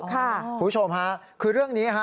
คุณผู้ชมค่ะคือเรื่องนี้ฮะ